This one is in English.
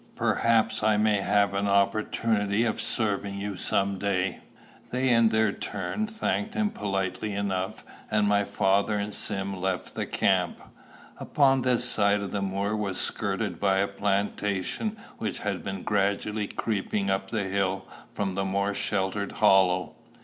"Perhaps I may have an opportunity of serving you some day." They in their turn thanked him politely enough, and my father and Sim left the camp. Upon this side the moor was skirted by a plantation which had been gradually creeping up the hill from the more sheltered hollow.